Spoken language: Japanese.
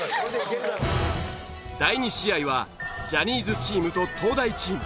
第２試合はジャニーズチームと東大チーム。